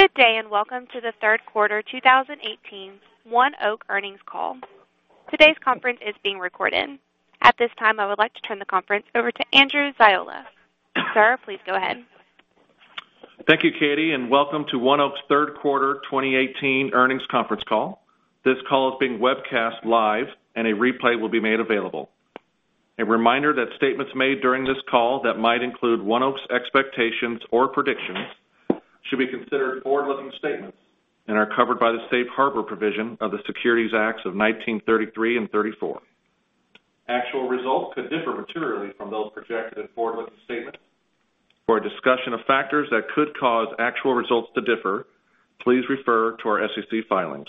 Good day. Welcome to the third quarter 2018 ONEOK earnings call. Today's conference is being recorded. At this time, I would like to turn the conference over to Andrew Ziola. Sir, please go ahead. Thank you, Katie. Welcome to ONEOK's third quarter 2018 earnings conference call. This call is being webcast live. A replay will be made available. A reminder that statements made during this call that might include ONEOK's expectations or predictions should be considered forward-looking statements and are covered by the Safe Harbor provision of the Securities Acts of 1933 and '34. Actual results could differ materially from those projected in forward-looking statements. For a discussion of factors that could cause actual results to differ, please refer to our SEC filings.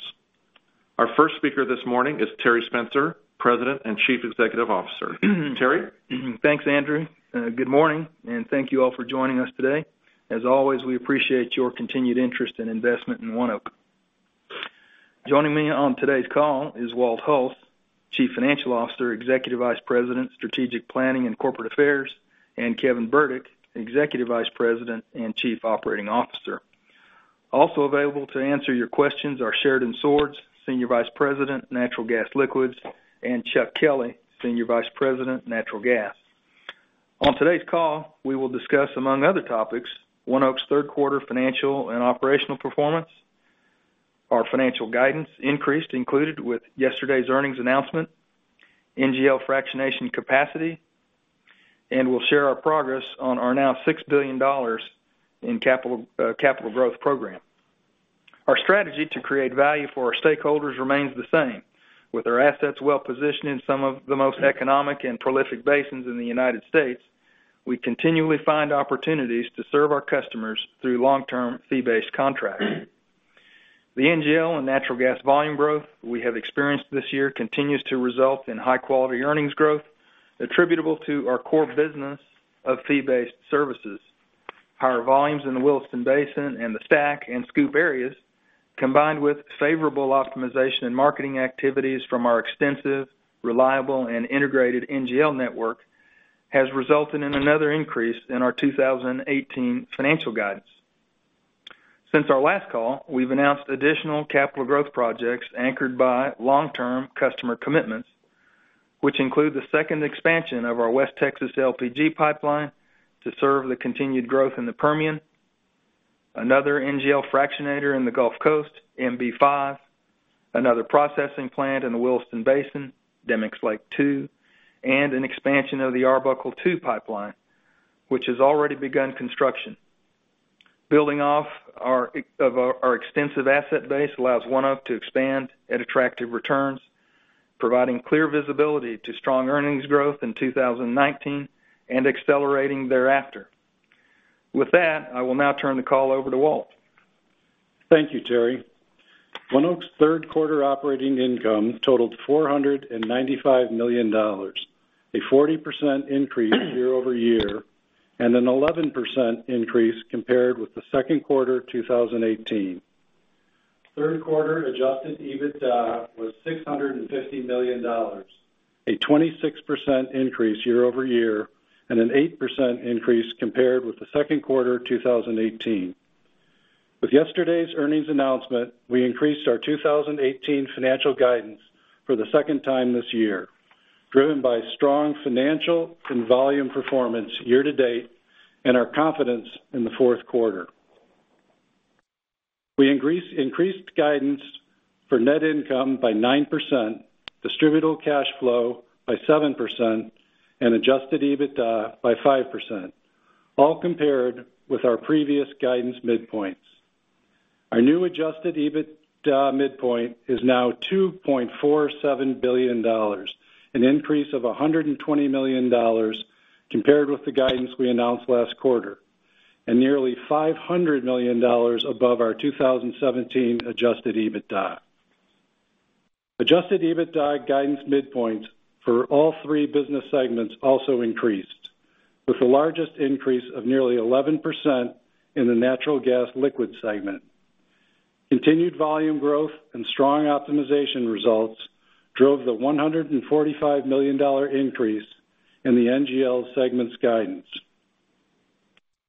Our first speaker this morning is Terry Spencer, President and Chief Executive Officer. Terry? Thanks, Andrew. Good morning. Thank you all for joining us today. As always, we appreciate your continued interest and investment in ONEOK. Joining me on today's call is Walt Hulse, Chief Financial Officer, Executive Vice President, Strategic Planning and Corporate Affairs, and Kevin Burdick, Executive Vice President and Chief Operating Officer. Also available to answer your questions are Sheridan Swords, Senior Vice President, Natural Gas Liquids, and Chuck Kelly, Senior Vice President, Natural Gas. On today's call, we will discuss, among other topics, ONEOK's third quarter financial and operational performance, our financial guidance increase included with yesterday's earnings announcement, NGL fractionation capacity, and we'll share our progress on our now $6 billion in capital growth program. Our strategy to create value for our stakeholders remains the same. With our assets well-positioned in some of the most economic and prolific basins in the U.S., we continually find opportunities to serve our customers through long-term fee-based contracts. The NGL and natural gas volume growth we have experienced this year continues to result in high-quality earnings growth attributable to our core business of fee-based services. Higher volumes in the Williston Basin and the STACK and SCOOP areas, combined with favorable optimization and marketing activities from our extensive, reliable, and integrated NGL network, has resulted in another increase in our 2018 financial guidance. Since our last call, we've announced additional capital growth projects anchored by long-term customer commitments, which include the second expansion of our West Texas LPG pipeline to serve the continued growth in the Permian, another NGL fractionator in the Gulf Coast, MB-5, another processing plant in the Williston Basin, Demicks Lake II, and an expansion of the Arbuckle II Pipeline, which has already begun construction. Building off our extensive asset base allows ONEOK to expand at attractive returns, providing clear visibility to strong earnings growth in 2019 and accelerating thereafter. With that, I will now turn the call over to Walt. Thank you, Terry. ONEOK's third quarter operating income totaled $495 million, a 40% increase year-over-year and an 11% increase compared with the second quarter 2018. Third quarter adjusted EBITDA was $650 million, a 26% increase year-over-year and an 8% increase compared with the second quarter 2018. With yesterday's earnings announcement, we increased our 2018 financial guidance for the second time this year, driven by strong financial and volume performance year to date and our confidence in the fourth quarter. We increased guidance for net income by 9%, distributable cash flow by 7%, and adjusted EBITDA by 5%, all compared with our previous guidance midpoints. Our new adjusted EBITDA midpoint is now $2.47 billion, an increase of $120 million compared with the guidance we announced last quarter, and nearly $500 million above our 2017 adjusted EBITDA. Adjusted EBITDA guidance midpoints for all three business segments also increased, with the largest increase of nearly 11% in the Natural Gas Liquids segment. Continued volume growth and strong optimization results drove the $145 million increase in the NGL segment's guidance.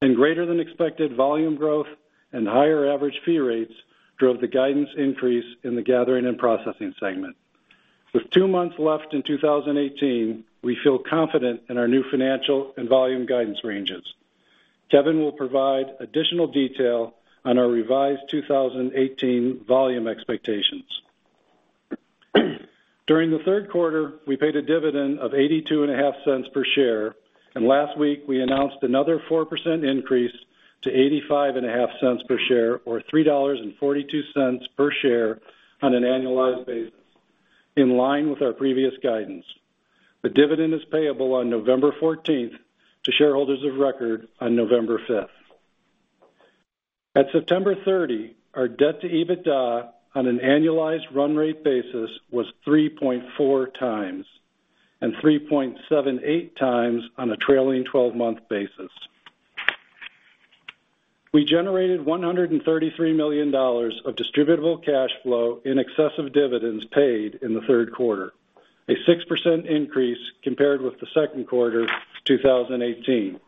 Greater-than-expected volume growth and higher average fee rates drove the guidance increase in the gathering and processing segment. With two months left in 2018, we feel confident in our new financial and volume guidance ranges. Kevin will provide additional detail on our revised 2018 volume expectations. During the third quarter, we paid a dividend of $0.825 per share, and last week we announced another 4% increase to $0.855 per share or $3.42 per share on an annualized basis, in line with our previous guidance. The dividend is payable on November 14th to shareholders of record on November 5th. At September 30, our debt to EBITDA on an annualized run rate basis was 3.4 times, and 3.78 times on a trailing 12-month basis. We generated $133 million of distributable cash flow in excess of dividends paid in the third quarter. A 6% increase compared with the second quarter 2018.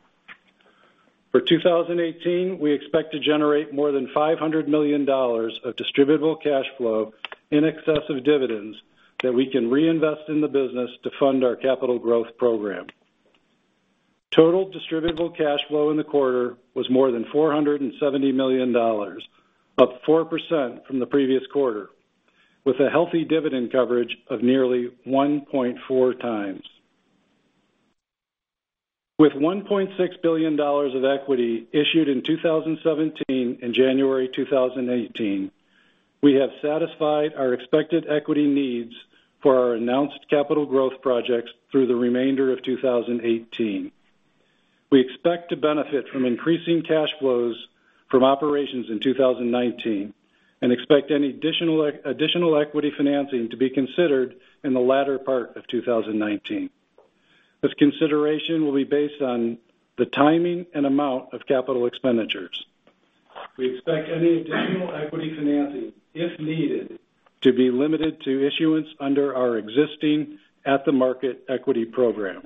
For 2018, we expect to generate more than $500 million of distributable cash flow in excess of dividends that we can reinvest in the business to fund our capital growth program. Total distributable cash flow in the quarter was more than $470 million, up 4% from the previous quarter, with a healthy dividend coverage of nearly 1.4 times. With $1.6 billion of equity issued in 2017 and January 2018, we have satisfied our expected equity needs for our announced capital growth projects through the remainder of 2018. We expect to benefit from increasing cash flows from operations in 2019. Expect any additional equity financing to be considered in the latter part of 2019. This consideration will be based on the timing and amount of capital expenditures. We expect any additional equity financing, if needed, to be limited to issuance under our existing at-the-market equity program.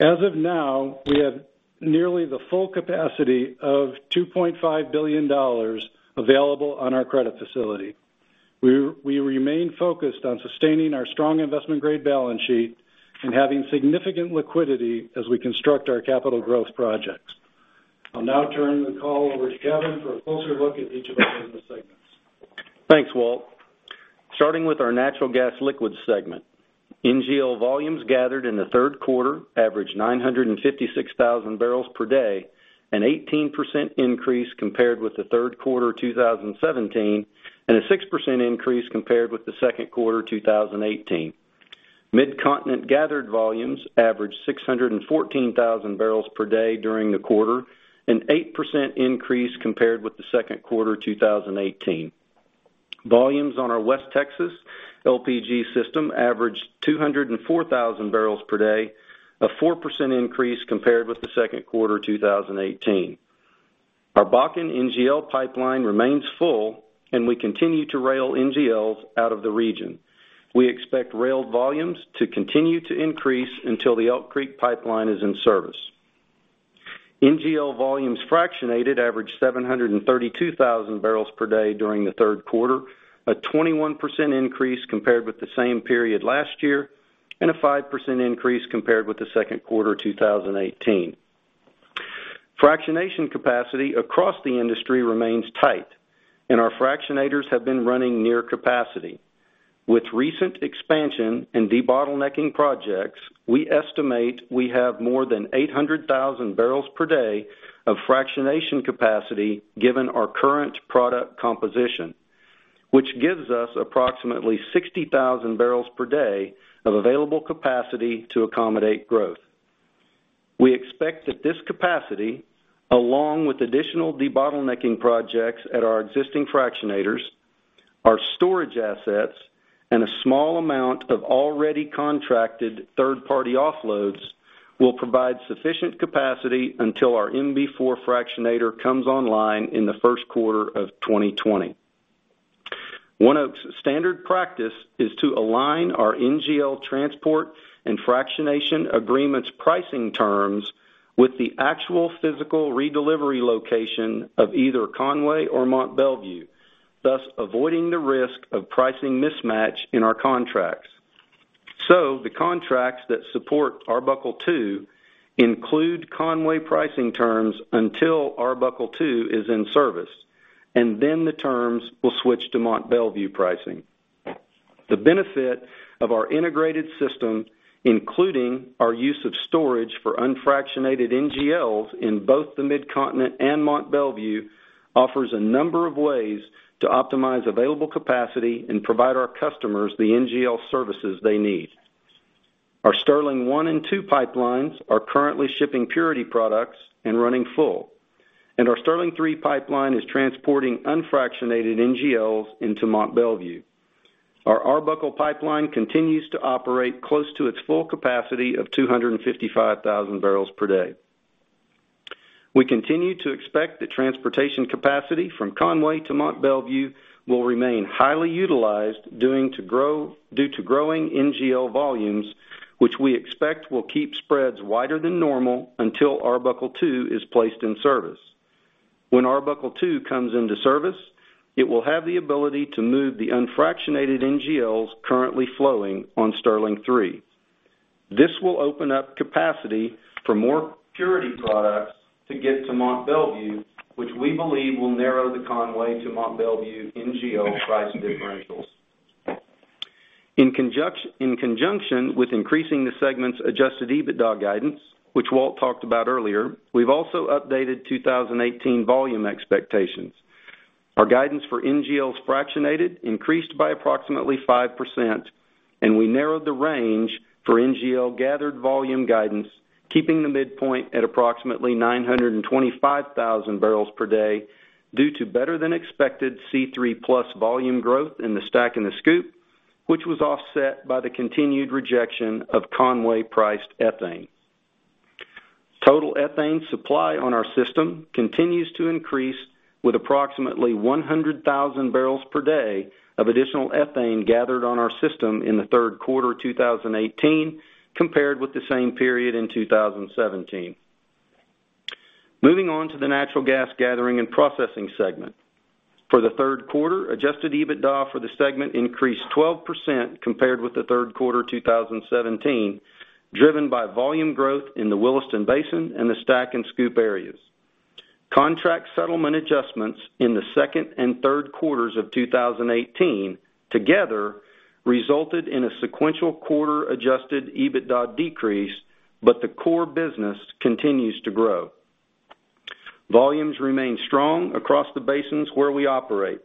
As of now, we have nearly the full capacity of $2.5 billion available on our credit facility. We remain focused on sustaining our strong investment-grade balance sheet and having significant liquidity as we construct our capital growth projects. I'll now turn the call over to Kevin for a closer look at each of our business segments. Thanks, Walt. Starting with our Natural Gas Liquids segment. NGL volumes gathered in the third quarter averaged 956,000 barrels per day, an 18% increase compared with the third quarter 2017. A 6% increase compared with the second quarter 2018. Midcontinent gathered volumes averaged 614,000 barrels per day during the quarter, an 8% increase compared with the second quarter 2018. Volumes on our West Texas LPG system averaged 204,000 barrels per day, a 4% increase compared with the second quarter 2018. Our Bakken NGL Pipeline remains full. We continue to rail NGLs out of the region. We expect rail volumes to continue to increase until the Elk Creek Pipeline is in service. NGL volumes fractionated averaged 732,000 barrels per day during the third quarter, a 21% increase compared with the same period last year. A 5% increase compared with the second quarter 2018. Fractionation capacity across the industry remains tight. Our fractionators have been running near capacity. With recent expansion and debottlenecking projects, we estimate we have more than 800,000 barrels per day of fractionation capacity, given our current product composition, which gives us approximately 60,000 barrels per day of available capacity to accommodate growth. We expect that this capacity, along with additional debottlenecking projects at our existing fractionators, our storage assets, and a small amount of already contracted third-party offloads, will provide sufficient capacity until our MB-4 fractionator comes online in the first quarter of 2020. ONEOK's standard practice is to align our NGL transport and fractionation agreements' pricing terms with the actual physical redelivery location of either Conway or Mont Belvieu, thus avoiding the risk of pricing mismatch in our contracts. The contracts that support Arbuckle 2 include Conway pricing terms until Arbuckle 2 is in service. Then the terms will switch to Mont Belvieu pricing. The benefit of our integrated system, including our use of storage for unfractionated NGLs in both the Midcontinent and Mont Belvieu, offers a number of ways to optimize available capacity and provide our customers the NGL services they need. Our Sterling 1 and 2 pipelines are currently shipping purity products and running full. Our Sterling 3 pipeline is transporting unfractionated NGLs into Mont Belvieu. Our Arbuckle Pipeline continues to operate close to its full capacity of 255,000 barrels per day. We continue to expect that transportation capacity from Conway to Mont Belvieu will remain highly utilized due to growing NGL volumes. We expect will keep spreads wider than normal until Arbuckle 2 is placed in service. When Arbuckle II comes into service, it will have the ability to move the unfractionated NGLs currently flowing on Sterling III. This will open up capacity for more purity products to get to Mont Belvieu, which we believe will narrow the Conway to Mont Belvieu NGL price differentials. In conjunction with increasing the segment's adjusted EBITDA guidance, which Walt talked about earlier, we've also updated 2018 volume expectations. Our guidance for NGLs fractionated increased by approximately 5%. We narrowed the range for NGL gathered volume guidance, keeping the midpoint at approximately 925,000 barrels per day due to better-than-expected C3+ volume growth in the STACK and the SCOOP, which was offset by the continued rejection of Conway priced ethane. Total ethane supply on our system continues to increase with approximately 100,000 barrels per day of additional ethane gathered on our system in the third quarter 2018, compared with the same period in 2017. Moving on to the natural gas gathering and processing segment. For the third quarter, adjusted EBITDA for the segment increased 12% compared with the third quarter 2017, driven by volume growth in the Williston Basin and the STACK and SCOOP areas. Contract settlement adjustments in the second and third quarters of 2018 together resulted in a sequential quarter adjusted EBITDA decrease, but the core business continues to grow. Volumes remain strong across the basins where we operate.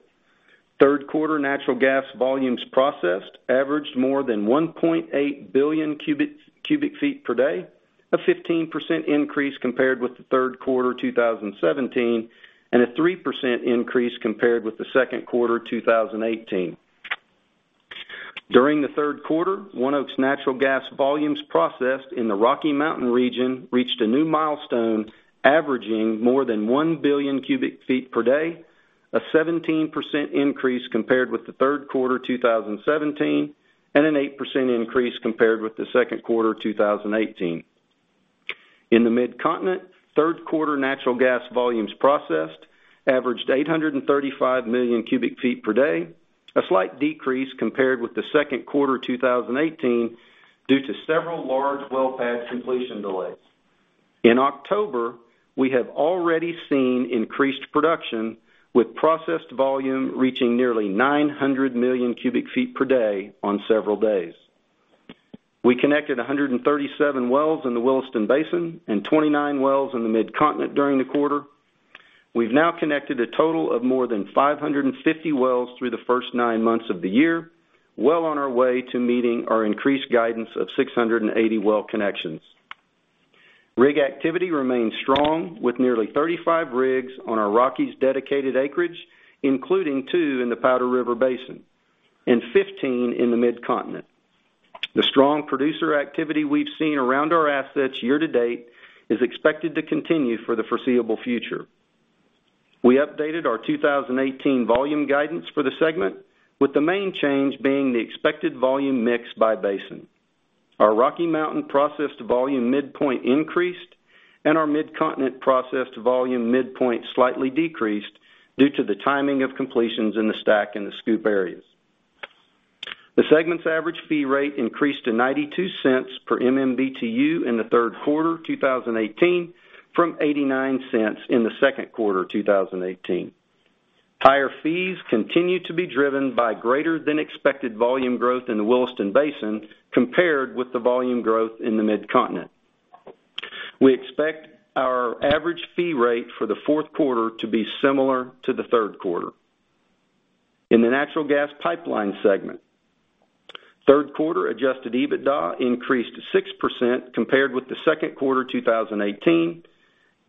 Third quarter natural gas volumes processed averaged more than 1.8 billion cubic feet per day, a 15% increase compared with the third quarter 2017, and a 3% increase compared with the second quarter 2018. During the third quarter, ONEOK's natural gas volumes processed in the Rocky Mountain region reached a new milestone, averaging more than one billion cubic feet per day, a 17% increase compared with the third quarter 2017, and an 8% increase compared with the second quarter 2018. In the Mid-Continent, third quarter natural gas volumes processed averaged 835 million cubic feet per day, a slight decrease compared with the second quarter 2018 due to several large well pad completion delays. In October, we have already seen increased production, with processed volume reaching nearly 900 million cubic feet per day on several days. We connected 137 wells in the Williston Basin and 29 wells in the Mid-Continent during the quarter. We've now connected a total of more than 550 wells through the first nine months of the year, well on our way to meeting our increased guidance of 680 well connections. Rig activity remains strong with nearly 35 rigs on our Rockies dedicated acreage, including two in the Powder River Basin, and 15 in the Mid-Continent. The strong producer activity we've seen around our assets year-to-date is expected to continue for the foreseeable future. We updated our 2018 volume guidance for the segment, with the main change being the expected volume mix by basin. Our Rocky Mountain processed volume midpoint increased, our Mid-Continent processed volume midpoint slightly decreased due to the timing of completions in the STACK and the SCOOP areas. The segment's average fee rate increased to $0.92 per MMBtu in the third quarter 2018 from $0.89 in the second quarter 2018. Higher fees continue to be driven by greater than expected volume growth in the Williston Basin compared with the volume growth in the Mid-Continent. We expect our average fee rate for the fourth quarter to be similar to the third quarter. In the natural gas pipeline segment, third quarter adjusted EBITDA increased 6% compared with the second quarter 2018,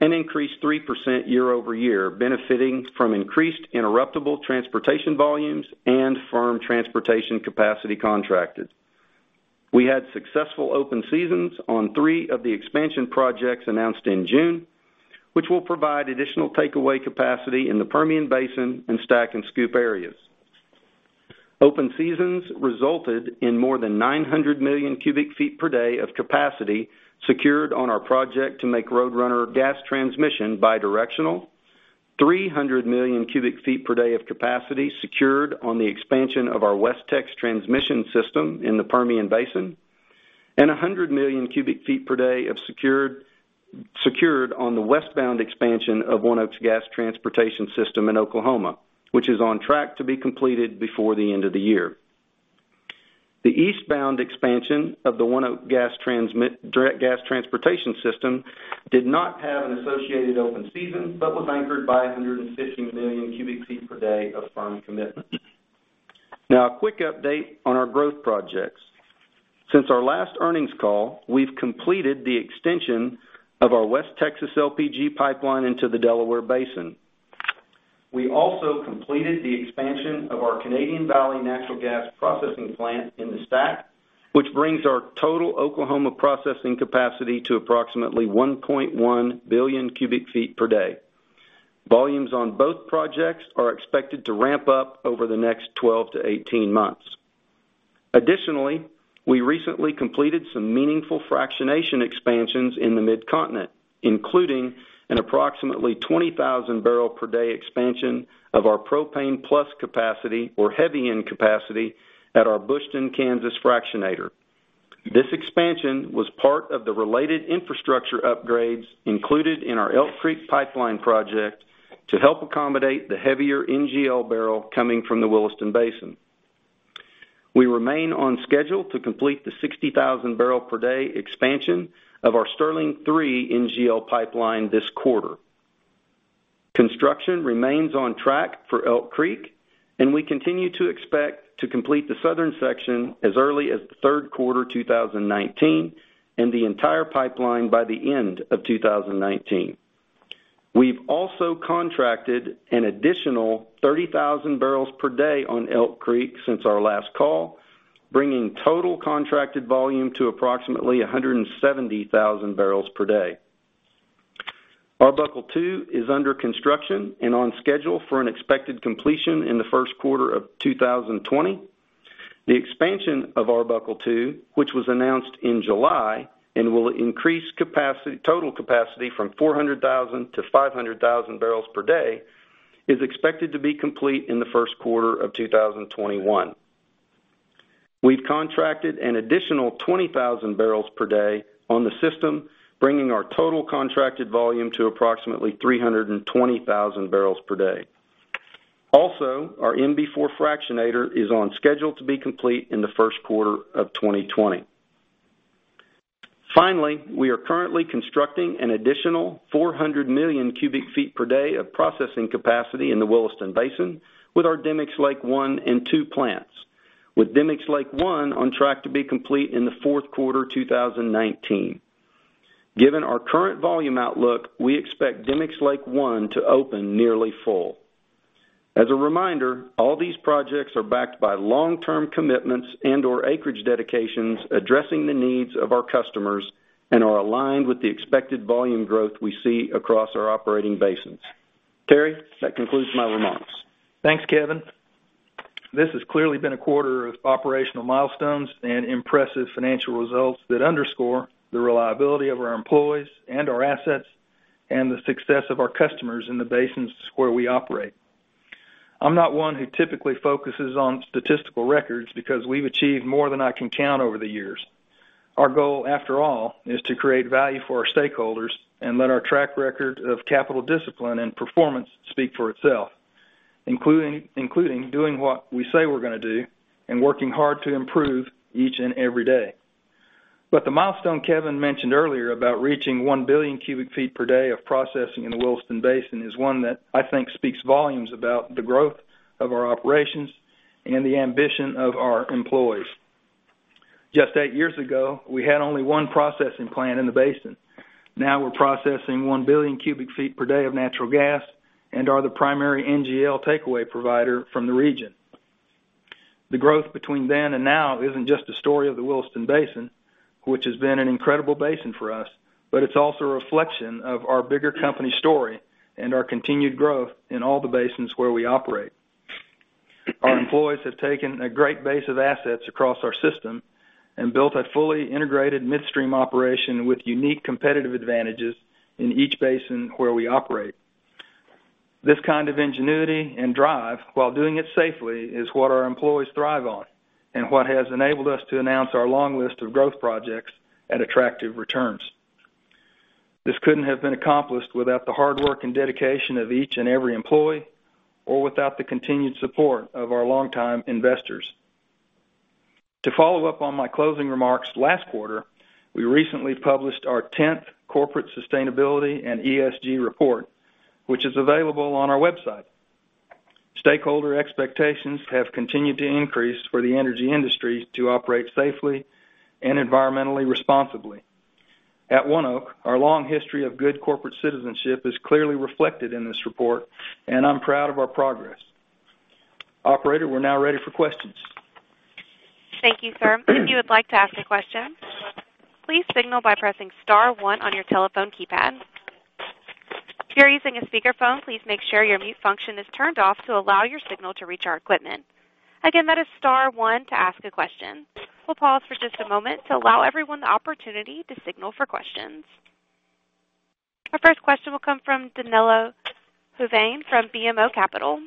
and increased 3% year-over-year, benefiting from increased interruptible transportation volumes and firm transportation capacity contracted. We had successful open seasons on three of the expansion projects announced in June, which will provide additional takeaway capacity in the Permian Basin and STACK and SCOOP areas. Open seasons resulted in more than 900 million cubic feet per day of capacity secured on our project to make Roadrunner Gas Transmission bidirectional, 300 million cubic feet per day of capacity secured on the expansion of our WesTex transmission system in the Permian Basin, 100 million cubic feet per day secured on the westbound expansion of ONEOK Gas Transportation system in Oklahoma, which is on track to be completed before the end of the year. The eastbound expansion of the ONEOK Gas Transportation system did not have an associated open season, but was anchored by 150 million cubic feet per day of firm commitment. A quick update on our growth projects. Since our last earnings call, we've completed the extension of our West Texas LPG pipeline into the Delaware Basin. We also completed the expansion of our Canadian Valley Natural Gas Processing Plant in the STACK, which brings our total Oklahoma processing capacity to approximately 1.1 billion cubic feet per day. Volumes on both projects are expected to ramp up over the next 12 to 18 months. Additionally, we recently completed some meaningful fractionation expansions in the Mid-Continent, including an approximately 20,000-barrel-per-day expansion of our propane-plus capacity or heavy-end capacity at our Bushton, Kansas fractionator. This expansion was part of the related infrastructure upgrades included in our Elk Creek Pipeline project to help accommodate the heavier NGL barrel coming from the Williston Basin. We remain on schedule to complete the 60,000-barrel-per-day expansion of our Sterling III NGL pipeline this quarter. Construction remains on track for Elk Creek, we continue to expect to complete the southern section as early as the third quarter 2019 and the entire pipeline by the end of 2019. We've also contracted an additional 30,000 barrels per day on Elk Creek since our last call, bringing total contracted volume to approximately 170,000 barrels per day. Arbuckle 2 is under construction and on schedule for an expected completion in the first quarter of 2020. The expansion of Arbuckle 2, which was announced in July and will increase total capacity from 400,000-500,000 barrels per day, is expected to be complete in the first quarter of 2021. We've contracted an additional 20,000 barrels per day on the system, bringing our total contracted volume to approximately 320,000 barrels per day. Our MB-4 fractionator is on schedule to be complete in the first quarter of 2020. We are currently constructing an additional 400 million cubic feet per day of processing capacity in the Williston Basin with our Demicks Lake I and II plants. Demicks Lake I is on track to be complete in the fourth quarter 2019. Given our current volume outlook, we expect Demicks Lake I to open nearly full. As a reminder, all these projects are backed by long-term commitments and/or acreage dedications addressing the needs of our customers and are aligned with the expected volume growth we see across our operating basins. Terry, that concludes my remarks. Thanks, Kevin. This has clearly been a quarter of operational milestones and impressive financial results that underscore the reliability of our employees and our assets and the success of our customers in the basins where we operate. I'm not one who typically focuses on statistical records because we've achieved more than I can count over the years. Our goal, after all, is to create value for our stakeholders and let our track record of capital discipline and performance speak for itself, including doing what we say we're going to do and working hard to improve each and every day. The milestone Kevin mentioned earlier about reaching 1 billion cubic feet per day of processing in the Williston Basin is one that I think speaks volumes about the growth of our operations and the ambition of our employees. Just eight years ago, we had only one processing plant in the basin. Now we're processing 1 billion cubic feet per day of natural gas and are the primary NGL takeaway provider from the region. The growth between then and now isn't just a story of the Williston Basin, which has been an incredible basin for us, it's also a reflection of our bigger company story and our continued growth in all the basins where we operate. Our employees have taken a great base of assets across our system and built a fully integrated midstream operation with unique competitive advantages in each basin where we operate. This kind of ingenuity and drive while doing it safely is what our employees thrive on, and what has enabled us to announce our long list of growth projects at attractive returns. This couldn't have been accomplished without the hard work and dedication of each and every employee or without the continued support of our longtime investors. To follow up on my closing remarks last quarter, we recently published our 10th Corporate Sustainability and ESG report, which is available on our website. Stakeholder expectations have continued to increase for the energy industry to operate safely and environmentally responsibly. At ONEOK, our long history of good corporate citizenship is clearly reflected in this report, and I'm proud of our progress. Operator, we're now ready for questions. Thank you, sir. If you would like to ask a question, please signal by pressing star 1 on your telephone keypad. If you're using a speakerphone, please make sure your mute function is turned off to allow your signal to reach our equipment. Again, that is star 1 to ask a question. We'll pause for just a moment to allow everyone the opportunity to signal for questions. Our first question will come from Danilo Juvane from BMO Capital.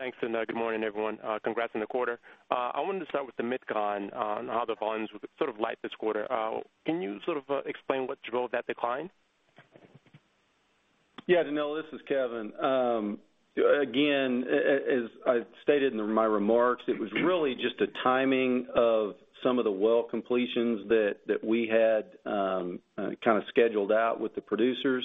Thanks, good morning, everyone. Congrats on the quarter. I wanted to start with the MidCon on how the volumes were sort of light this quarter. Can you sort of explain what drove that decline? Yeah, Danilo, this is Kevin. Again, as I stated in my remarks, it was really just a timing of some of the well completions that we had kind of scheduled out with the producers.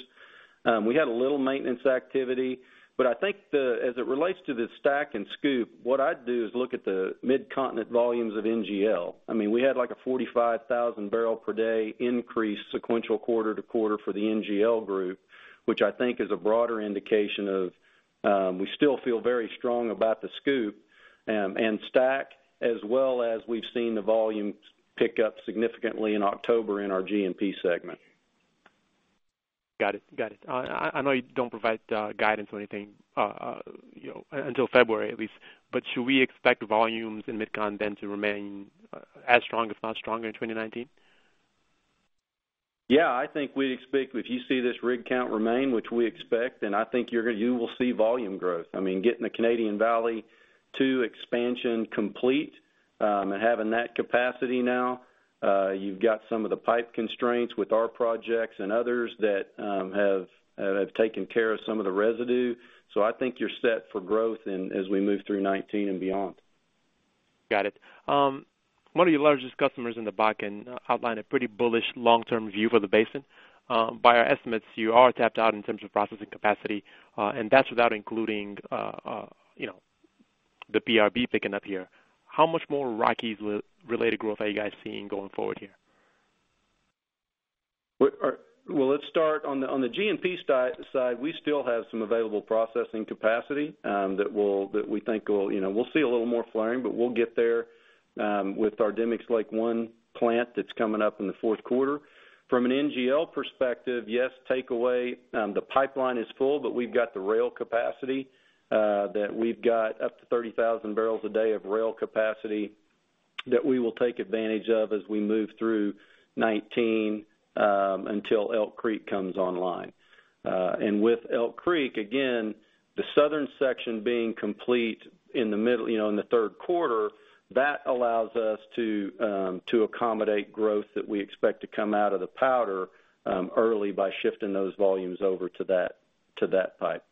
We had a little maintenance activity, I think as it relates to the STACK and SCOOP, what I'd do is look at the Midcontinent volumes of NGL. We had like a 45,000 barrel per day increase sequential quarter-to-quarter for the NGL group, which I think is a broader indication of, we still feel very strong about the SCOOP and STACK, as well as we've seen the volumes pick up significantly in October in our GNP segment. Got it. I know you don't provide guidance or anything, until February at least, should we expect volumes in MidCon then to remain as strong, if not stronger, in 2019? I think we'd expect if you see this rig count remain, which we expect, then I think you will see volume growth. Getting the Canadian Valley II expansion complete, and having that capacity now, you've got some of the pipe constraints with our projects and others that have taken care of some of the residue. I think you're set for growth as we move through 2019 and beyond. Got it. One of your largest customers in the Bakken outlined a pretty bullish long-term view for the basin. By our estimates, you are tapped out in terms of processing capacity, and that's without including PRB picking up here. How much more Rockies-related growth are you guys seeing going forward here? Well, let's start on the GNP side, we still have some available processing capacity that we think we'll see a little more flaring, but we'll get there with our Demicks Lake I plant that's coming up in the fourth quarter. From an NGL perspective, yes, take away. The pipeline is full, but we've got the rail capacity that we've got up to 30,000 barrels a day of rail capacity that we will take advantage of as we move through 2019, until Elk Creek comes online. With Elk Creek, again, the southern section being complete in the third quarter, that allows us to accommodate growth that we expect to come out of the Powder early by shifting those volumes over to that pipe.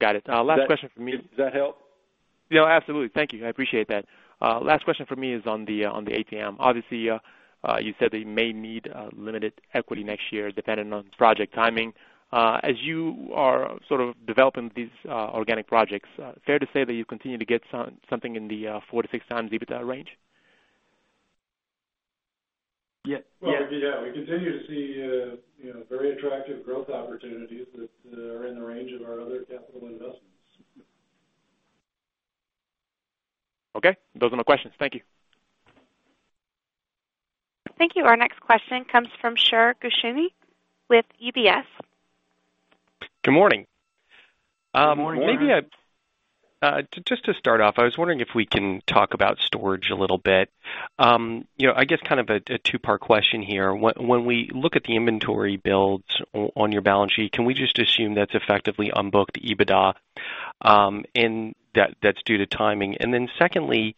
Got it. Last question from me. Does that help? Yeah, absolutely. Thank you. I appreciate that. Last question from me is on the ATM. Obviously, you said that you may need limited equity next year, depending on project timing. As you are sort of developing these organic projects, fair to say that you continue to get something in the four to six times EBITDA range? Well, yeah. We continue to see very attractive growth opportunities that are in the range of our other capital investments. Okay. Those are my questions. Thank you. Thank you. Our next question comes from Shir Gushani with UBS. Good morning. Good morning. Just to start off, I was wondering if we can talk about storage a little bit. I guess kind of a two-part question here. When we look at the inventory builds on your balance sheet, can we just assume that's effectively unbooked EBITDA, and that's due to timing? Secondly,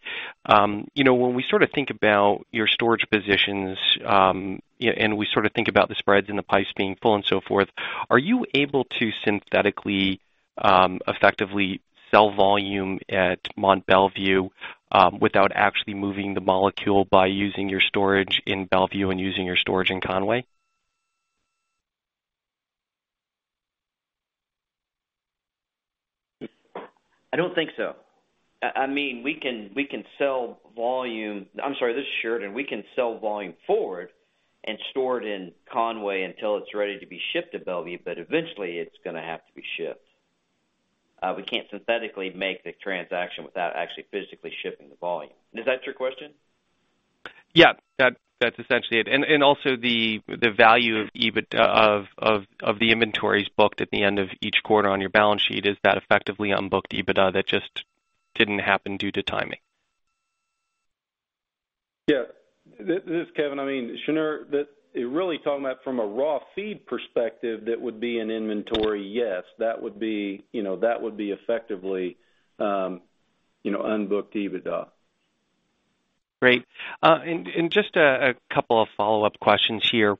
when we sort of think about your storage positions, and we sort of think about the spreads and the pipes being full and so forth, are you able to synthetically effectively sell volume at Mont Belvieu, without actually moving the molecule by using your storage in Belvieu and using your storage in Conway? I don't think so. This is Sheridan. We can sell volume forward and store it in Conway until it's ready to be shipped to Belvieu, but eventually it's going to have to be shipped. We can't synthetically make the transaction without actually physically shipping the volume. Is that your question? Yeah. That's essentially it. Also the value of the inventories booked at the end of each quarter on your balance sheet, is that effectively unbooked EBITDA that just didn't happen due to timing? Yeah. This is Kevin. Shneur, really talking about from a raw feed perspective, that would be an inventory, yes. That would be effectively unbooked EBITDA. Great. Just a couple of follow-up questions here.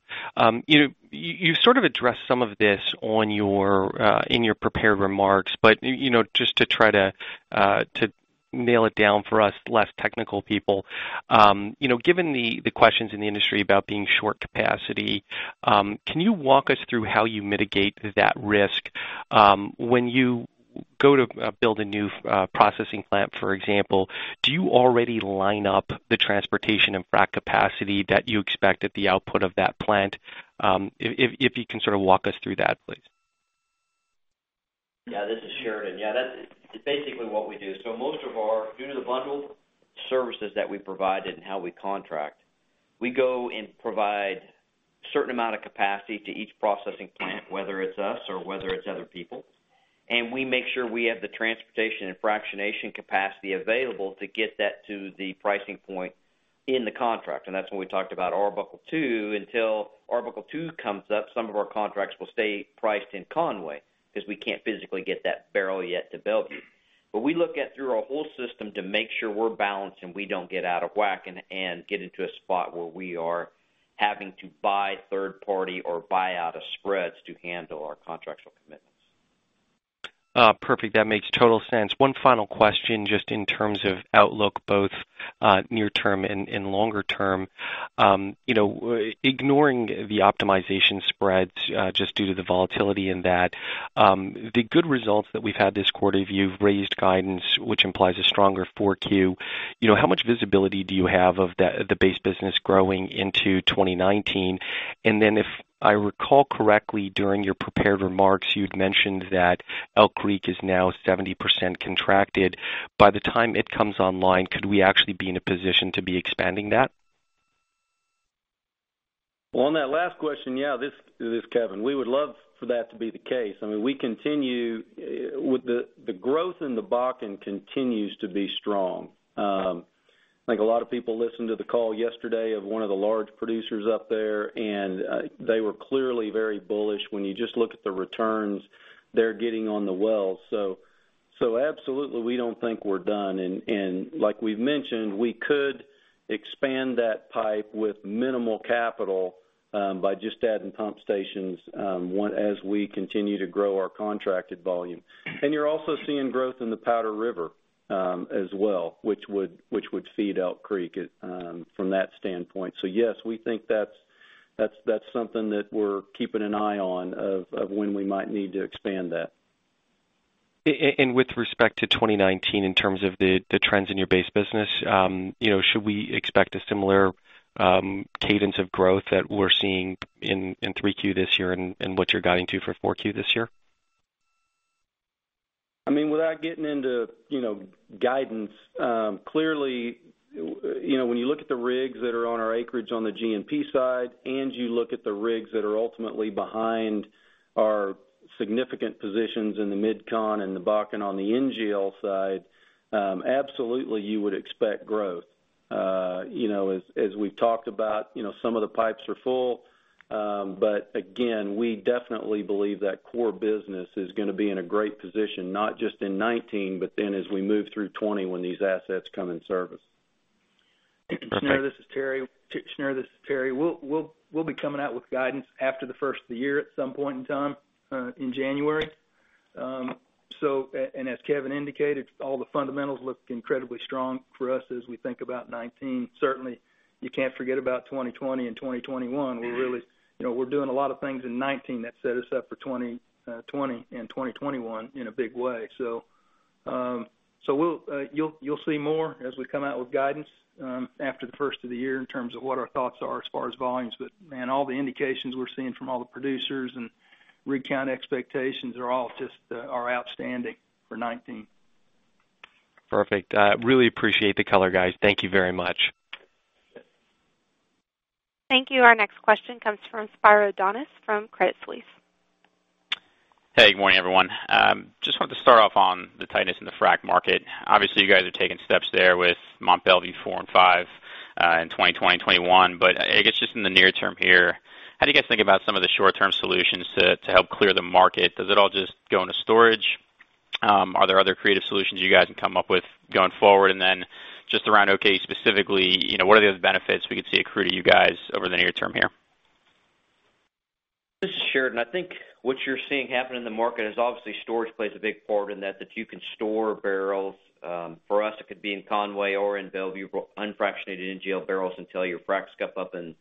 You sort of addressed some of this in your prepared remarks, but just to try to nail it down for us less technical people. Given the questions in the industry about being short capacity, can you walk us through how you mitigate that risk? When you go to build a new processing plant, for example, do you already line up the transportation and frack capacity that you expect at the output of that plant? If you can sort of walk us through that, please. This is Sheridan. That's basically what we do. Due to the bundled services that we provide and how we contract, we go and provide certain amount of capacity to each processing plant, whether it's us or whether it's other people. We make sure we have the transportation and fractionation capacity available to get that to the pricing point in the contract. That's when we talked about Arbuckle Two. Until Arbuckle Two comes up, some of our contracts will stay priced in Conway because we can't physically get that barrel yet to Belvieu. We look at through our whole system to make sure we're balanced and we don't get out of whack and get into a spot where we are having to buy third party or buy out of spreads to handle our contractual commitments. Perfect. That makes total sense. One final question, just in terms of outlook, both near term and longer term. Ignoring the optimization spreads, just due to the volatility in that, the good results that we've had this quarter, you've raised guidance, which implies a stronger 4Q. How much visibility do you have of the base business growing into 2019? If I recall correctly, during your prepared remarks, you'd mentioned that Elk Creek is now 70% contracted. By the time it comes online, could we actually be in a position to be expanding that? Well, on that last question. This is Kevin. We would love for that to be the case. The growth in the Bakken continues to be strong. I think a lot of people listened to the call yesterday of one of the large producers up there, they were clearly very bullish when you just look at the returns they're getting on the well. Absolutely, we don't think we're done. Like we've mentioned, we could expand that pipe with minimal capital by just adding pump stations as we continue to grow our contracted volume. You're also seeing growth in the Powder River as well, which would feed Elk Creek from that standpoint. Yes, we think that's something that we're keeping an eye on of when we might need to expand that. With respect to 2019, in terms of the trends in your base business, should we expect a similar cadence of growth that we're seeing in 3Q this year and what you're guiding to for 4Q this year? Without getting into guidance, clearly, when you look at the rigs that are on our acreage on the GNP side, and you look at the rigs that are ultimately behind our significant positions in the MidCon and the Bakken on the NGL side, absolutely you would expect growth. As we've talked about, some of the pipes are full. Again, we definitely believe that core business is going to be in a great position, not just in 2019, but then as we move through 2020, when these assets come in service. Okay. Shneur, this is Terry. We'll be coming out with guidance after the first of the year at some point in time in January. As Kevin indicated, all the fundamentals look incredibly strong for us as we think about 2019. Certainly, you can't forget about 2020 and 2021. We're doing a lot of things in 2019 that set us up for 2020 and 2021 in a big way. You'll see more as we come out with guidance after the first of the year in terms of what our thoughts are as far as volumes. Man, all the indications we're seeing from all the producers and rig count expectations are all just outstanding for 2019. Perfect. Really appreciate the color, guys. Thank you very much. Thank you. Our next question comes from Spiro Dounis from Credit Suisse. Good morning, everyone. Wanted to start off on the tightness in the frac market. Obviously, you guys are taking steps there with MB-4 and MB-5, in 2020 and 2021. I guess just in the near term here, how do you guys think about some of the short-term solutions to help clear the market? Does it all just go into storage? Are there other creative solutions you guys can come up with going forward? Around ONEOK specifically, what are the other benefits we could see accrue to you guys over the near term here? This is Sheridan. What you're seeing happen in the market is obviously storage plays a big part in that you can store barrels. For us, it could be in Conway or in Mont Belvieu, unfractionated NGL barrels until your fracs ramp up in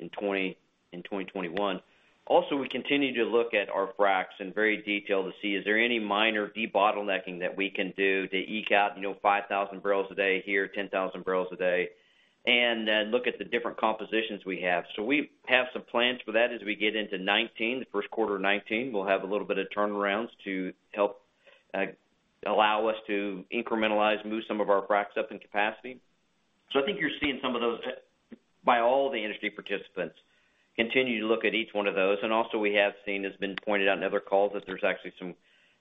2021. We continue to look at our fracs in very detail to see is there any minor debottlenecking that we can do to eke out 5,000 barrels a day here, 10,000 barrels a day, and then look at the different compositions we have. We have some plans for that as we get into 2019, the first quarter of 2019. We'll have a little bit of turnarounds to help allow us to incrementalize, move some of our fracs up in capacity. You're seeing some of those by all the industry participants continue to look at each one of those. We have seen, as been pointed out in other calls, that there's actually some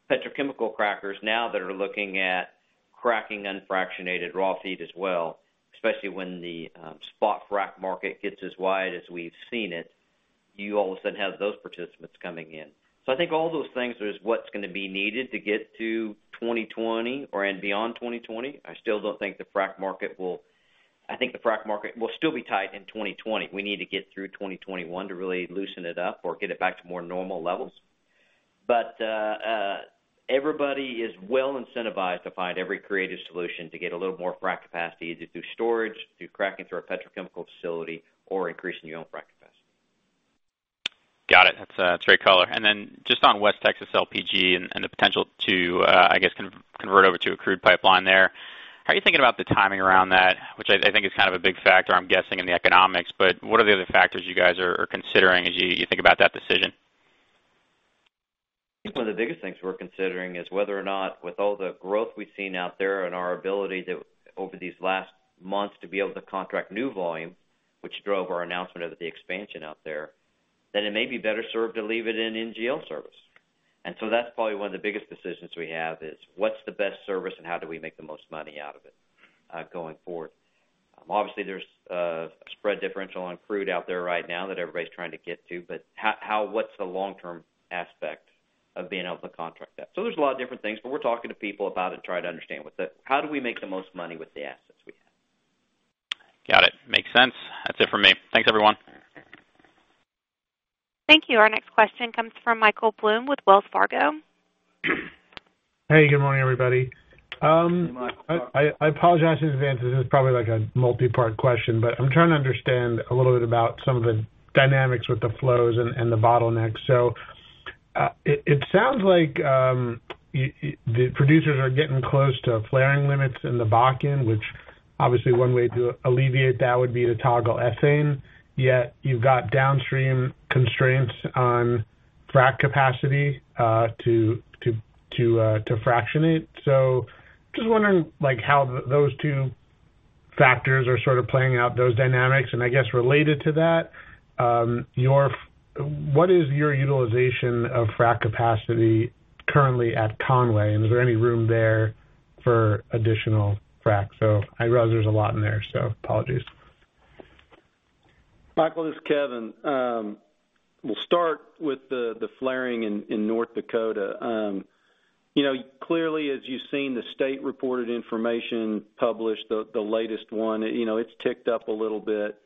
petrochemical crackers now that are looking at cracking unfractionated raw feed as well, especially when the spot frac market gets as wide as we've seen it. You all of a sudden have those participants coming in. All those things is what's going to be needed to get to 2020 or and beyond 2020. The frac market will still be tight in 2020. We need to get through 2021 to really loosen it up or get it back to more normal levels. Everybody is well incentivized to find every creative solution to get a little more frac capacity, either through storage, through cracking through a petrochemical facility, or increasing your own frac capacity. Got it. That's great color. On West Texas LPG and the potential to, I guess, convert over to a crude pipeline there, how are you thinking about the timing around that? Which I think is kind of a big factor, I'm guessing, in the economics, what are the other factors you guys are considering as you think about that decision? I think one of the biggest things we're considering is whether or not with all the growth we've seen out there and our ability over these last months to be able to contract new volume, which drove our announcement of the expansion out there, that it may be better served to leave it in NGL service. That's probably one of the biggest decisions we have is what's the best service and how do we make the most money out of it going forward? Obviously, there's a spread differential on crude out there right now that everybody's trying to get to, but what's the long-term aspect of being able to contract that? There's a lot of different things, but we're talking to people about it and trying to understand how do we make the most money with the assets we have. Got it. Makes sense. That's it for me. Thanks, everyone. Thank you. Our next question comes from Michael Blum with Wells Fargo. Hey, good morning, everybody. Hey, Michael. I apologize in advance. This is probably a multi-part question, but I'm trying to understand a little bit about some of the dynamics with the flows and the bottlenecks. It sounds like the producers are getting close to flaring limits in the Bakken, which obviously one way to alleviate that would be to toggle ethane, yet you've got downstream constraints on frac capacity to fractionate. Just wondering how those two factors are sort of playing out those dynamics. I guess related to that, what is your utilization of frac capacity currently at Conway, and is there any room there for additional fracs? I realize there's a lot in there, apologies. Michael, this is Kevin. We'll start with the flaring in North Dakota. Clearly, as you've seen the state-reported information published, the latest one, it's ticked up a little bit.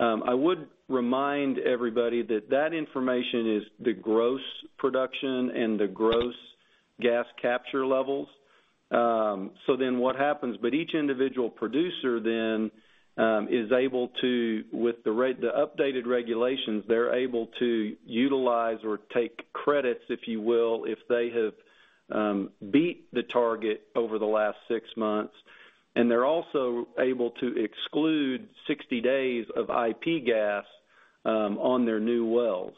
I would remind everybody that that information is the gross production and the gross gas capture levels. What happens? Each individual producer then is able to, with the updated regulations, they're able to utilize or take credits, if you will, if they have beat the target over the last six months, and they're also able to exclude 60 days of IP gas on their new wells.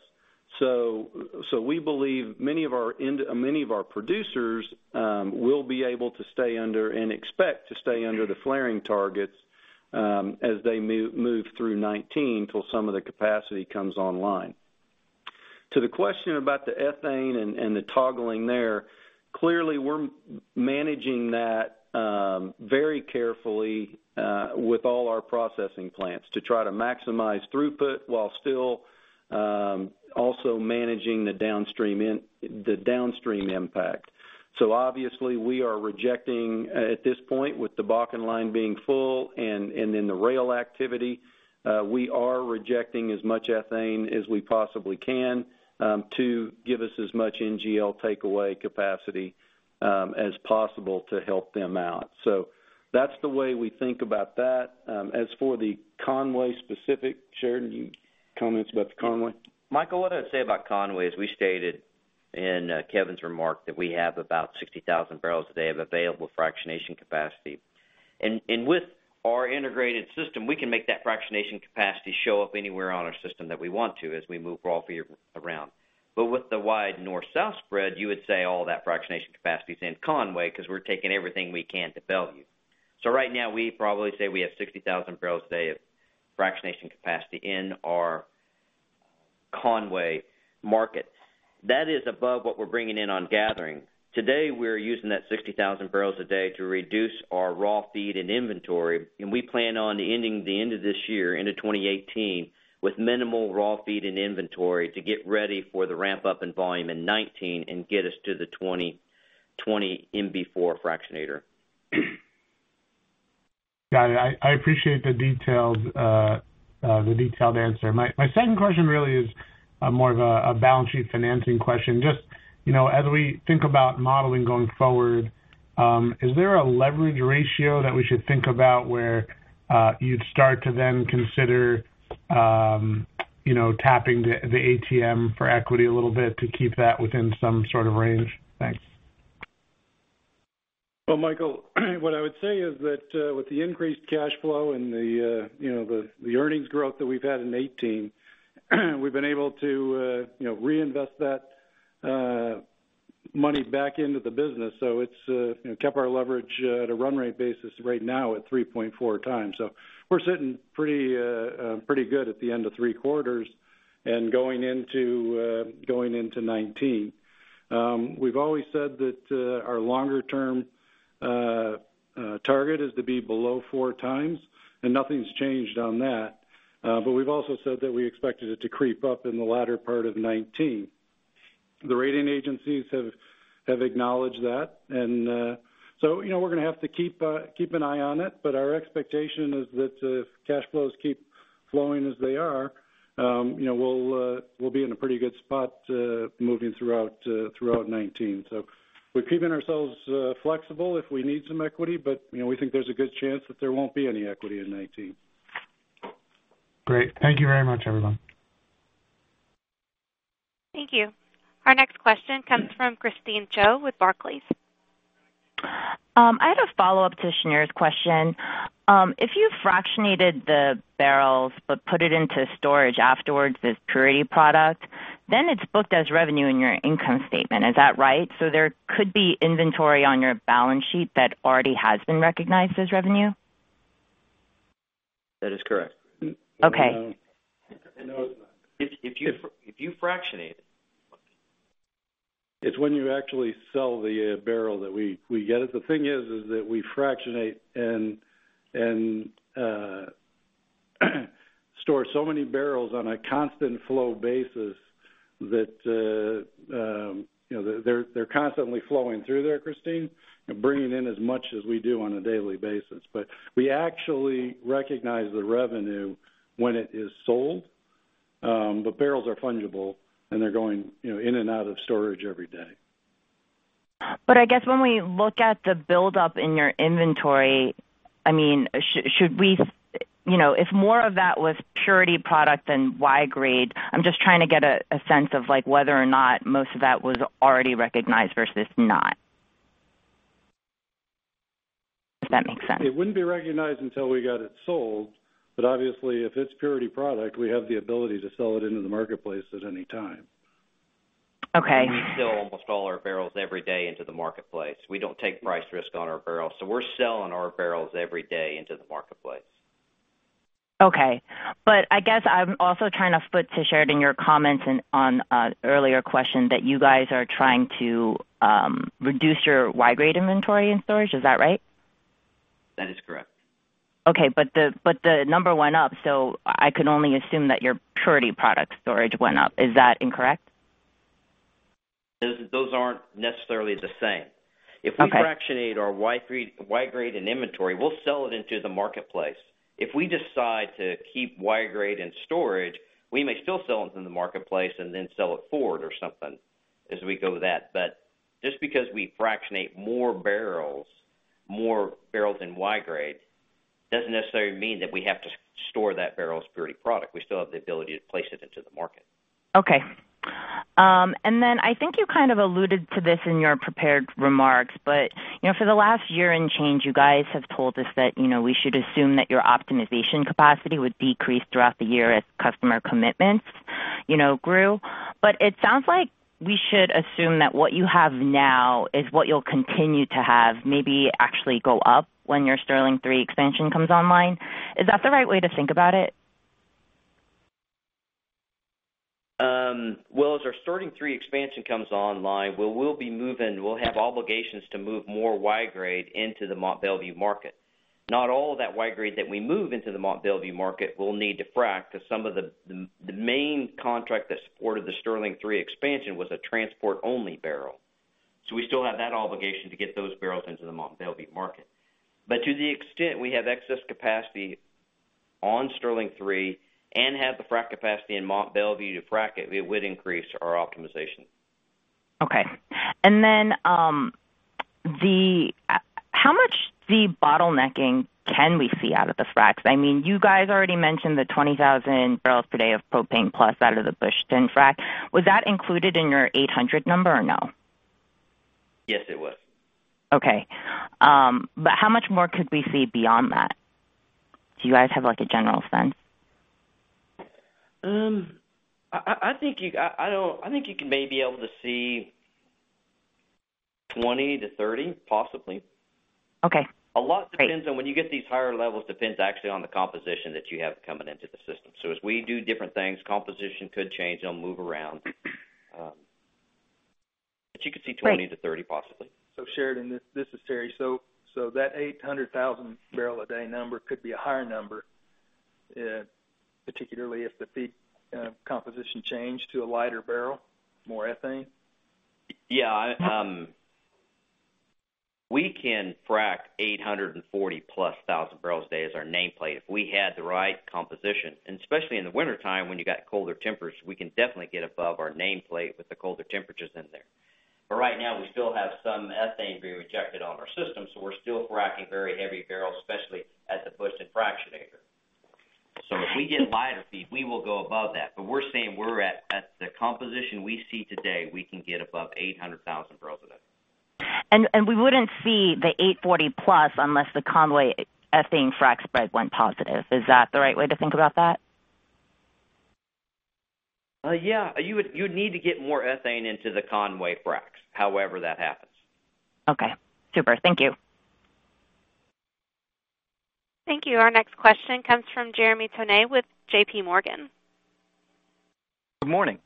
We believe many of our producers will be able to stay under, and expect to stay under, the flaring targets as they move through 2019, till some of the capacity comes online. To the question about the ethane and the toggling there, clearly, we're managing that very carefully with all our processing plants to try to maximize throughput while still also managing the downstream impact. Obviously, we are rejecting at this point with the Bakken line being full and the rail activity, we are rejecting as much ethane as we possibly can to give us as much NGL takeaway capacity as possible to help them out. That's the way we think about that. As for the Conway specific. Sheridan, you comments about the Conway? Michael, what I'd say about Conway is we stated in Kevin's remark that we have about 60,000 barrels a day of available fractionation capacity. With our integrated system, we can make that fractionation capacity show up anywhere on our system that we want to as we move raw feed around. With the wide north-south spread, you would say all that fractionation capacity is in Conway because we're taking everything we can to value. Right now, we probably say we have 60,000 barrels a day of fractionation capacity in our Conway market. That is above what we're bringing in on gathering. Today, we're using that 60,000 barrels a day to reduce our raw feed and inventory. We plan on ending the end of this year, end of 2018, with minimal raw feed and inventory to get ready for the ramp up in volume in 2019 and get us to the 2020 MB-4 fractionator. Got it. I appreciate the detailed answer. My second question really is more of a balance sheet financing question. As we think about modeling going forward, is there a leverage ratio that we should think about where you'd start to then consider tapping the ATM for equity a little bit to keep that within some sort of range? Thanks. Well, Michael, what I would say is that with the increased cash flow and the earnings growth that we've had in 2018, we've been able to reinvest that money back into the business. It's kept our leverage at a run rate basis right now at 3.4x. We're sitting pretty good at the end of three quarters and going into 2019. We've always said that our longer-term target is to be below 4x, nothing's changed on that. We've also said that we expected it to creep up in the latter part of 2019. The rating agencies have acknowledged that, we're going to have to keep an eye on it. Our expectation is that if cash flows keep flowing as they are, we'll be in a pretty good spot moving throughout 2019. We're keeping ourselves flexible if we need some equity, we think there's a good chance that there won't be any equity in 2019. Great. Thank you very much, everyone. Thank you. Our next question comes from Christine Cho with Barclays. I have a follow-up to Shneur's question. If you fractionated the barrels but put it into storage afterwards as purity product, then it is booked as revenue in your income statement. Is that right? There could be inventory on your balance sheet that already has been recognized as revenue? That is correct. Okay. No, it is not. If you fractionate it. It's when you actually sell the barrel that we get it. The thing is that we fractionate and store so many barrels on a constant flow basis that they're constantly flowing through there, Christine, and bringing in as much as we do on a daily basis. We actually recognize the revenue when it is sold. The barrels are fungible and they're going in and out of storage every day. I guess when we look at the buildup in your inventory, if more of that was purity product than Y-grade, I'm just trying to get a sense of whether or not most of that was already recognized versus not. If that makes sense. It wouldn't be recognized until we got it sold. Obviously, if it's purity product, we have the ability to sell it into the marketplace at any time. Okay. We sell almost all our barrels every day into the marketplace. We don't take price risk on our barrels, so we're selling our barrels every day into the marketplace. Okay. I guess I'm also trying to put to Sheridan your comments on an earlier question that you guys are trying to reduce your Y-grade inventory in storage. Is that right? That is correct. Okay. The number went up, so I could only assume that your purity product storage went up. Is that incorrect? Those aren't necessarily the same. Okay. If we fractionate our Y-grade in inventory, we'll sell it into the marketplace. If we decide to keep Y-grade in storage, we may still sell into the marketplace and then sell it forward or something as we go that. Just because we fractionate more barrels in Y-grade doesn't necessarily mean that we have to store that barrel of purity product. We still have the ability to place it into the market. Okay. I think you kind of alluded to this in your prepared remarks, for the last year and change, you guys have told us that we should assume that your optimization capacity would decrease throughout the year as customer commitments grew. It sounds like we should assume that what you have now is what you'll continue to have, maybe actually go up when your Sterling III expansion comes online. Is that the right way to think about it? Well, as our Sterling III expansion comes online, we'll have obligations to move more Y-grade into the Mont Belvieu market. Not all of that Y-grade that we move into the Mont Belvieu market we'll need to frack, because some of the main contract that supported the Sterling III expansion was a transport-only barrel. We still have that obligation to get those barrels into the Mont Belvieu market. To the extent we have excess capacity on Sterling III and have the frack capacity in Mont Belvieu to frack it would increase our optimization. Okay. How much the bottlenecking can we see out of the fracks? You guys already mentioned the 20,000 barrels per day of propane plus out of the Bushton frack. Was that included in your 800 number or no? Yes, it was. Okay. How much more could we see beyond that? Do you guys have a general sense? I think you can maybe be able to see 20-30, possibly. Okay. Great. A lot depends on when you get these higher levels, depends actually on the composition that you have coming into the system. As we do different things, composition could change. It'll move around. You could see- Great 20-30, possibly. Sheridan, this is Terry. That 800,000 barrel a day number could be a higher number, particularly if the feed composition changed to a lighter barrel, more ethane? Yeah. We can frack 840-plus thousand barrels a day as our nameplate if we had the right composition. Especially in the wintertime when you got colder temperatures, we can definitely get above our nameplate with the colder temperatures in there. Right now, we still have some ethane being rejected on our system, so we're still fracking very heavy barrels, especially at the Bushton fractionator. If we get lighter feed, we will go above that. We're saying at the composition we see today, we can get above 800,000 barrels a day. We wouldn't see the 840+ unless the Conway ethane frack spread went positive. Is that the right way to think about that? Yeah. You'd need to get more ethane into the Conway fracks, however that happens. Okay, super. Thank you. Thank you. Our next question comes from Jeremy Tonet with J.P. Morgan. Good morning.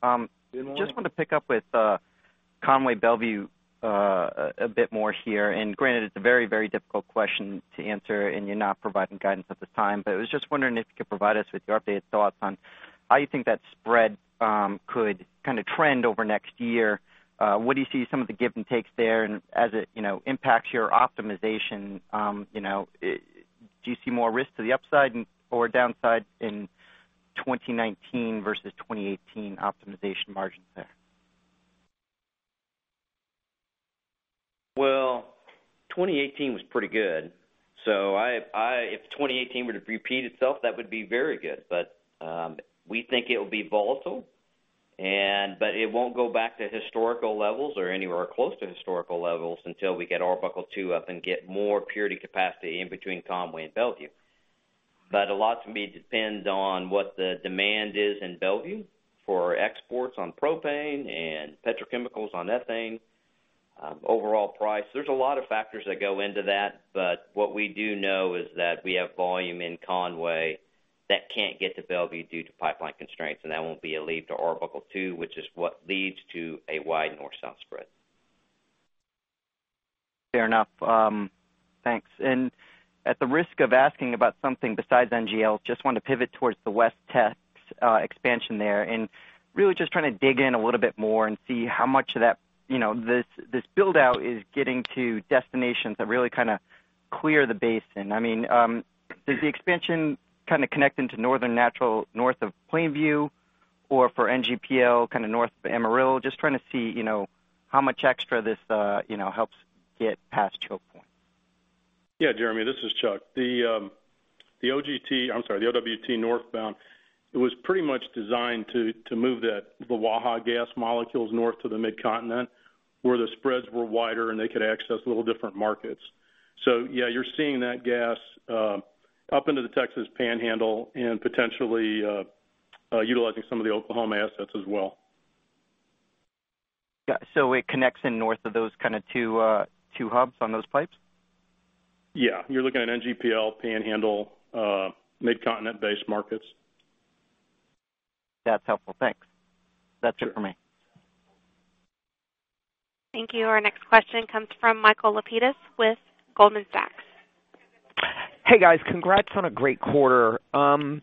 Good morning. Just want to pick up with Conway Belvieu a bit more here. Granted, it's a very, very difficult question to answer, and you're not providing guidance at this time. I was just wondering if you could provide us with your updated thoughts on how you think that spread could kind of trend over next year. What do you see some of the give and takes there and as it impacts your optimization, do you see more risk to the upside or downside in 2019 versus 2018 optimization margins there? 2018 was pretty good. If 2018 were to repeat itself, that would be very good. We think it will be volatile, but it won't go back to historical levels or anywhere close to historical levels until we get Arbuckle 2 up and get more purity capacity in between Conway and Belvieu. A lot, to me, depends on what the demand is in Belvieu for exports on propane and petrochemicals on ethane, overall price. There's a lot of factors that go into that. What we do know is that we have volume in Conway that can't get to Belvieu due to pipeline constraints, and that won't be relieved to Arbuckle 2, which is what leads to a widened North-South spread. Fair enough. Thanks. At the risk of asking about something besides NGL, just wanted to pivot towards the WestTX expansion there, and really just trying to dig in a little bit more and see how much of this build-out is getting to destinations that really kind of clear the basin. Does the expansion kind of connect into Northern Natural, north of Plainview, or for NGPL, kind of north of Amarillo? Just trying to see how much extra this helps get past choke point. Yeah, Jeremy, this is Chuck. The OWT northbound, it was pretty much designed to move the Waha gas molecules north to the Midcontinent, where the spreads were wider, and they could access little different markets. You're seeing that gas up into the Texas Panhandle and potentially utilizing some of the Oklahoma assets as well. Got it. It connects in north of those kind of two hubs on those pipes? Yeah. You're looking at NGPL, Panhandle, Midcontinent-based markets. That's helpful. Thanks. That's it for me. Thank you. Our next question comes from Michael Lapidus with Goldman Sachs. Hey, guys. Congrats on a great quarter. We're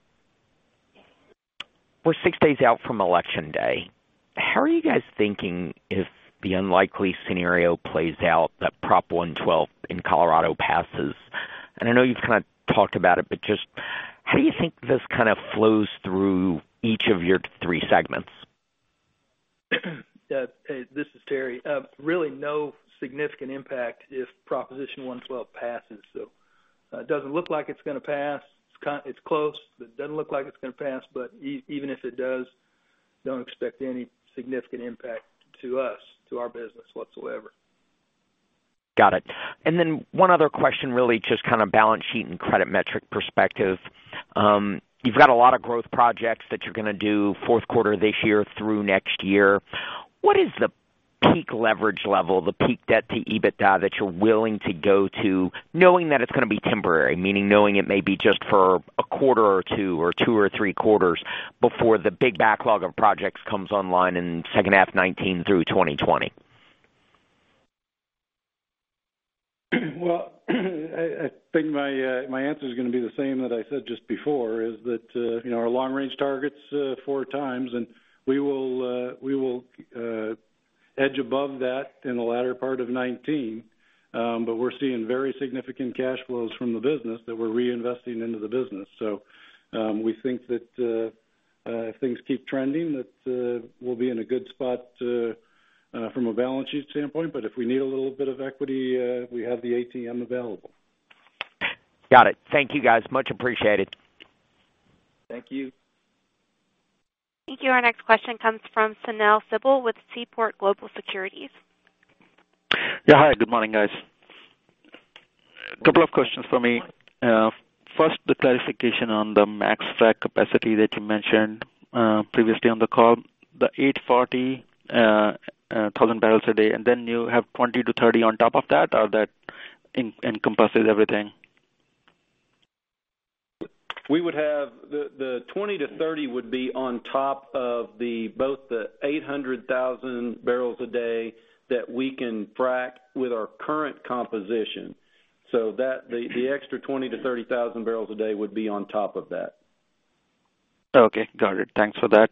six days out from election day. How are you guys thinking if the unlikely scenario plays out that Proposition 112 in Colorado passes? I know you've kind of talked about it, but just how do you think this kind of flows through each of your three segments? This is Terry. Really no significant impact if Proposition 112 passes. It doesn't look like it's going to pass. It's close, but it doesn't look like it's going to pass. Even if it does, don't expect any significant impact to us, to our business whatsoever. Got it. One other question, really just kind of balance sheet and credit metric perspective. You've got a lot of growth projects that you're going to do fourth quarter this year through next year. What is the peak leverage level, the peak debt to EBITDA that you're willing to go to knowing that it's going to be temporary, meaning knowing it may be just for a quarter or two, or two or three quarters before the big backlog of projects comes online in second half 2019 through 2020? Well, I think my answer is going to be the same that I said just before, is that our long-range target's four times. We will edge above that in the latter part of 2019. We're seeing very significant cash flows from the business that we're reinvesting into the business. We think that if things keep trending, that we'll be in a good spot from a balance sheet standpoint, but if we need a little bit of equity, we have the ATM available. Got it. Thank you guys. Much appreciated. Thank you. Thank you. Our next question comes from Sunil Sibal with Seaport Global Securities. Yeah. Hi, good morning, guys. Couple of questions for me. First, the clarification on the max frac capacity that you mentioned previously on the call, the 840,000 barrels a day, and then you have 20 to 30 on top of that, or that encompasses everything? The 20 to 30 would be on top of both the 800,000 barrels a day that we can frac with our current composition. The extra 20 to 30,000 barrels a day would be on top of that. Okay, got it. Thanks for that.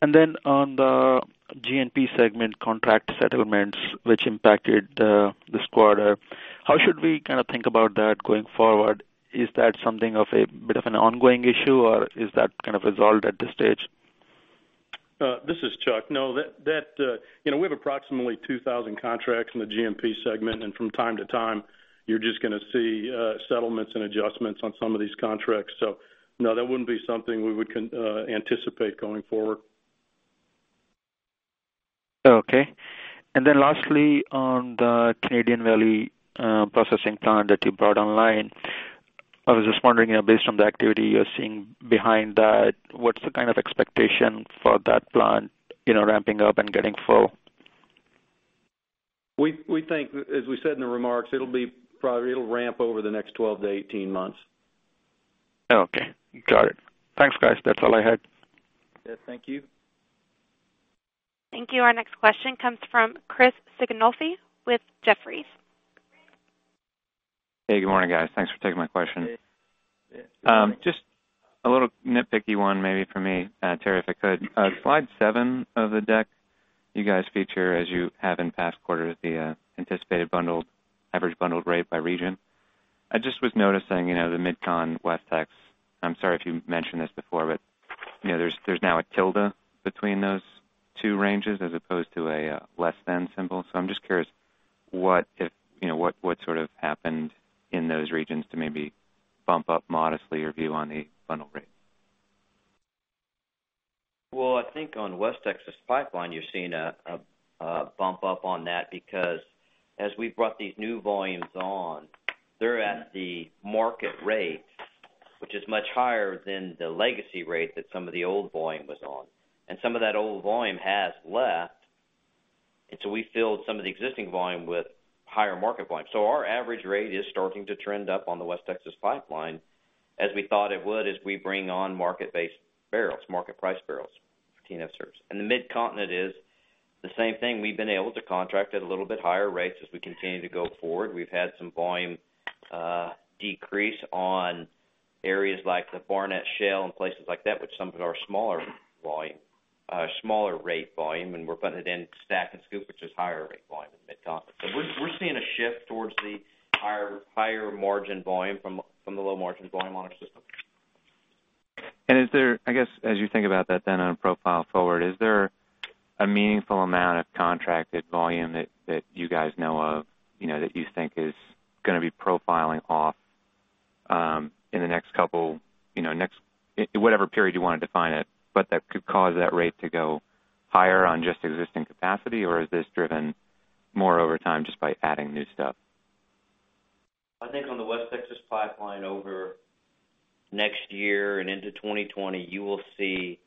Then on the GNP segment contract settlements, which impacted this quarter, how should we kind of think about that going forward? Is that something of a bit of an ongoing issue, or is that kind of resolved at this stage? This is Chuck. No. We have approximately 2,000 contracts in the GNP segment, from time to time, you're just going to see settlements and adjustments on some of these contracts. No, that wouldn't be something we would anticipate going forward. Okay. Lastly, on the Canadian Valley Processing Plant that you brought online, I was just wondering, based on the activity you're seeing behind that, what's the kind of expectation for that plant ramping up and getting full? We think, as we said in the remarks, it'll ramp over the next 12 to 18 months. Okay. Got it. Thanks, guys. That's all I had. Yes, thank you. Thank you. Our next question comes from Christopher Sighinolfi with Jefferies. Hey, good morning, guys. Thanks for taking my question. Yes. Just a little nitpicky one maybe for me, Terry, if I could. Slide seven of the deck, you guys feature as you have in past quarters, the anticipated average bundled rate by region. I just was noticing, the MidCon, Westex, I'm sorry if you mentioned this before, but there's now a tilde between those two ranges as opposed to a less than symbol. I'm just curious what sort of happened in those regions to maybe bump up modestly your view on the bundle rate? I think on West Texas LPG, you're seeing a bump up on that because as we've brought these new volumes on, they're at the market rate, which is much higher than the legacy rate that some of the old volume was on. Some of that old volume has left, we filled some of the existing volume with higher market volume. Our average rate is starting to trend up on the West Texas LPG as we thought it would as we bring on market-based barrels, market price barrels for TNFS service. The Midcontinent is the same thing. We've been able to contract at a little bit higher rates as we continue to go forward. We've had some volume decrease on areas like the Barnett Shale and places like that with some of our smaller rate volume, and we're putting it into STACK and SCOOP, which is higher rate volume in Midcontinent. We're seeing a shift towards the higher margin volume from the low margin volume on our system. Is there, as you think about that on a profile forward, is there a meaningful amount of contracted volume that you guys know of, that you think is going to be profiling off in the next whatever period you want to define it, but that could cause that rate to go higher on just existing capacity? Or is this driven more over time just by adding new stuff? I think on the West Texas LPG over next year and into 2020, you will see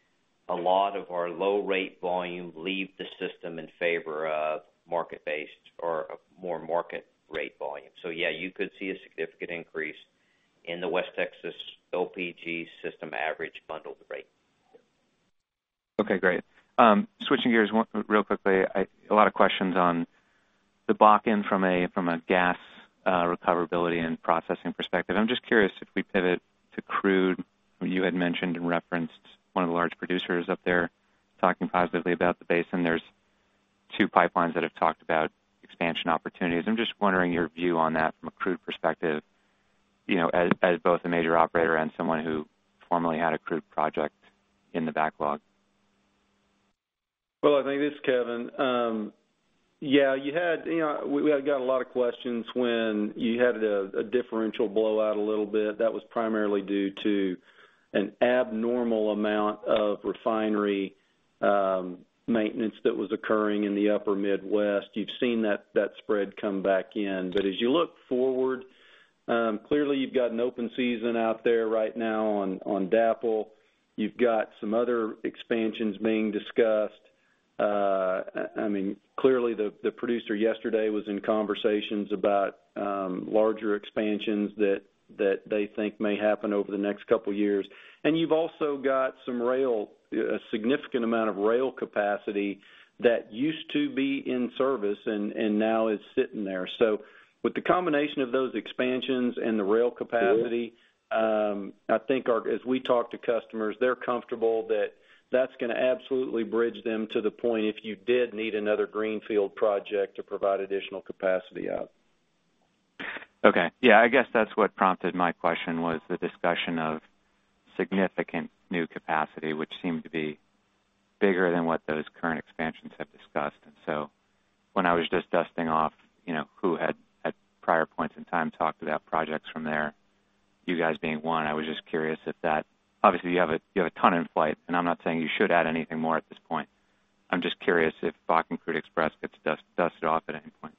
a lot of our low rate volume leave the system in favor of market-based or more market rate volume. You could see a significant increase in the West Texas LPG system average bundled rate. Okay, great. Switching gears real quickly. A lot of questions on the back end from a gas recoverability and processing perspective. I'm just curious if we pivot to crude, you had mentioned and referenced one of the large producers up there talking positively about the basin. There's two pipelines that have talked about expansion opportunities. I'm just wondering your view on that from a crude perspective. As both a major operator and someone who formerly had a crude project in the backlog. Well, I think it's Kevin. Yeah, we got a lot of questions when you had a differential blowout a little bit. That was primarily due to an abnormal amount of refinery maintenance that was occurring in the upper Midwest. You've seen that spread come back in. As you look forward, clearly you've got an open season out there right now on DAPL. You've got some other expansions being discussed. Clearly, the producer yesterday was in conversations about larger expansions that they think may happen over the next couple of years. You've also got a significant amount of rail capacity that used to be in service and now is sitting there. With the combination of those expansions and the rail capacity, I think as we talk to customers, they're comfortable that that's going to absolutely bridge them to the point if you did need another greenfield project to provide additional capacity out. Okay. Yeah, I guess that's what prompted my question was the discussion of significant new capacity, which seemed to be bigger than what those current expansions have discussed. When I was just dusting off who had at prior points in time talked about projects from there, you guys being one, I was just curious. Obviously you have a ton in flight, and I'm not saying you should add anything more at this point. I'm just curious if Bakken Crude Express gets dusted off at any point.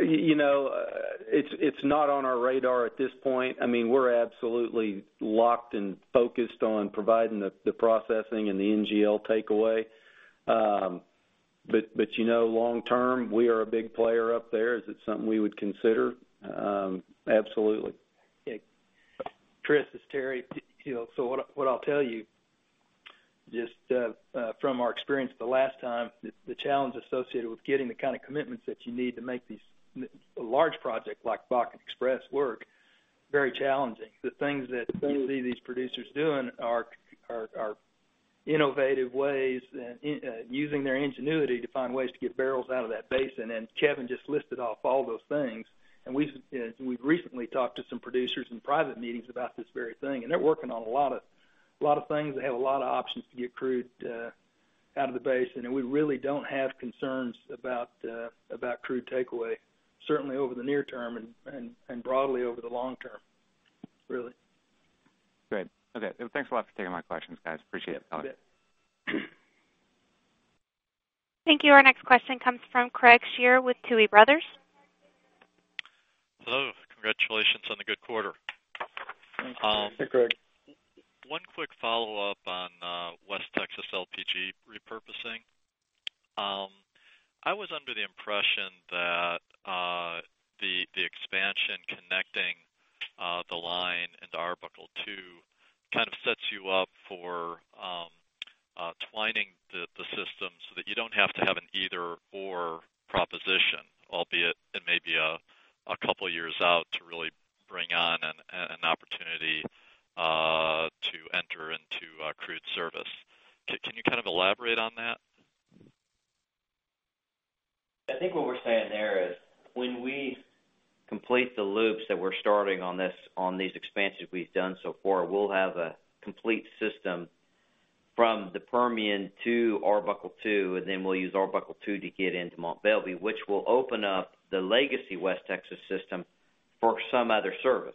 It's not on our radar at this point. We're absolutely locked and focused on providing the processing and the NGL takeaway. Long-term, we are a big player up there. Is it something we would consider? Absolutely. Chris, it's Terry. What I'll tell you, just from our experience the last time, the challenge associated with getting the kind of commitments that you need to make these large projects like Bakken Express work, very challenging. The things that you see these producers doing are innovative ways and using their ingenuity to find ways to get barrels out of that basin. Kevin just listed off all those things. We've recently talked to some producers in private meetings about this very thing. They're working on a lot of things. They have a lot of options to get crude out of the basin. We really don't have concerns about crude takeaway, certainly over the near-term and broadly over the long-term, really. Great. Okay. Thanks a lot for taking my questions, guys. Appreciate the comment. You bet. Thank you. Our next question comes from Craig Shere with Tuohy Brothers. Hello. Congratulations on the good quarter. Thank you, Craig. Hey, Craig. One quick follow-up on West Texas LPG repurposing. I was under the impression that the expansion connecting the line into Arbuckle Two kind of sets you up for twinning the system so that you don't have to have an either/or proposition, albeit it may be a couple of years out to really bring on an opportunity to enter into crude service. Can you kind of elaborate on that? I think what we're saying there is when we complete the loops that we're starting on these expansions we've done so far, we'll have a complete system from the Permian to Arbuckle Two, and then we'll use Arbuckle Two to get into Mont Belvieu, which will open up the legacy West Texas system for some other service.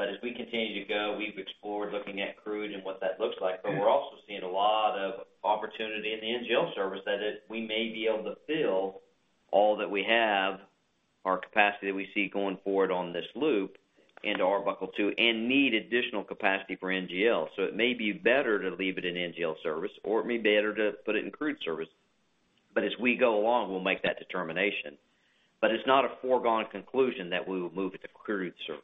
As we continue to go, we've explored looking at crude and what that looks like. Yeah. We're also seeing a lot of opportunity in the NGL service that we may be able to fill all that we have, our capacity that we see going forward on this loop into Arbuckle Two and need additional capacity for NGL. It may be better to leave it in NGL service, or it may be better to put it in crude service. As we go along, we'll make that determination. It's not a foregone conclusion that we will move it to crude service.